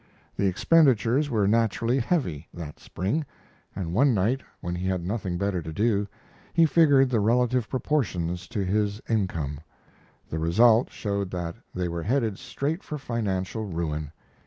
The expenditures were naturally heavy that spring; and one night, when he had nothing better to do, he figured the relative proportion to his income. The result showed that they were headed straight for financial ruin.